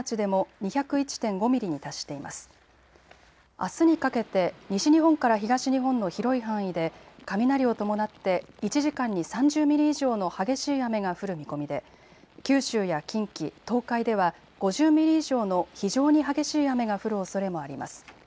あすにかけて西日本から東日本の広い範囲で雷を伴って１時間に３０ミリ以上の激しい雨が降る見込みで九州や近畿、東海では５０ミリ以上の非常に激しい雨が降るおそれもあります。